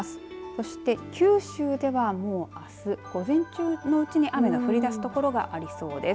そして九州ではもうあす午前中のうちに雨が降りだす所がありそうです。